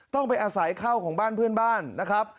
ต้องไปอาศัยเข้าของบ้านเพื่อนบ้านนะครับ